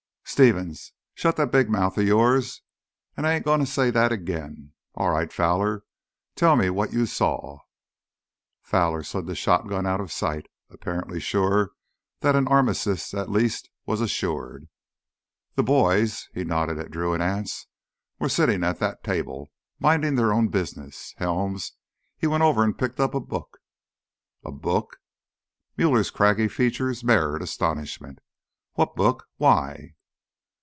"Stevens, shut that big mouth of yours, an' I ain't gonna say that agin! All right, Fowler, tell me what you saw!" Fowler slid the shotgun out of sight, apparently sure that an armistice, at least, was assured. "Th' boys"—he nodded at Drew and Anse—"were sittin' at that table, mindin' their own business. Helms, he went over an' picked up a book——" "A book!" Muller's craggy features mirrored astonishment. "What book? Why?"